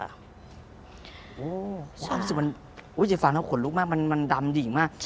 อเรนนี่โอ้ความสุขมันเจ็บฟังเท่าขนลุกมากมันดำดิงมาก